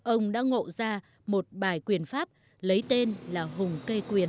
ông đã ngộ ra một bài quyền pháp lấy tên là hùng cây quyền